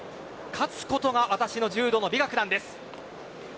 勝つことが私の柔道の美学なんです。